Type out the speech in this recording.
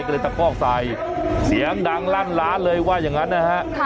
ก็เลยตะคอกใส่เสียงดังลั่นร้านเลยว่าอย่างนั้นนะฮะ